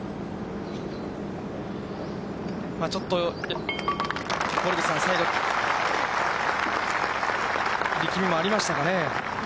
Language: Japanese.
ちょっと森口さん、最後、力みもありましたかね。